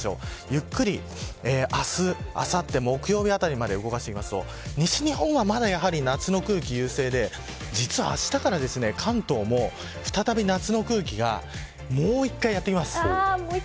ゆっくり、明日、あさって木曜日まで動かしていくと西日本はまだ夏の空気が優勢で実は、あしたから関東も再び夏の空気がもう一回やってきます。